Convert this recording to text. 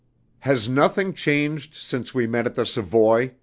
"Has nothing changed since we met at the Savoy?"